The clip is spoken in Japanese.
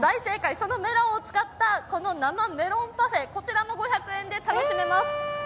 そのメロンを使ったこの生メロンパフェ、こちらも５００円で楽しめます。